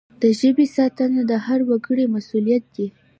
د ژبي ساتنه د هر وګړي مسؤلیت دی.